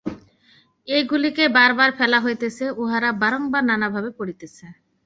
এইগুলিকেই বার বার ফেলা হইতেছে, উহারা বারংবার নানাভাবে পড়িতেছে।